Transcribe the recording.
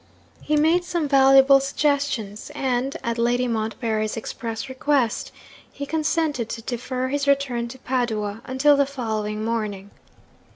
He made some valuable suggestions, and (at Lady Montbarry's express request) he consented to defer his return to Padua until the following morning.